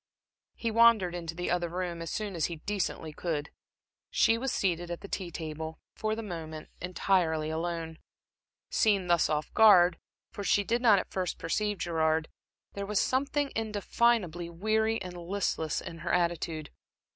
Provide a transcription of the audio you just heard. He wandered into the other room as soon as he decently could. She was seated at the tea table, for the moment, entirely alone. Seen thus off guard, for she did not at first perceive Gerard, there was something indefinably weary and listless in her attitude.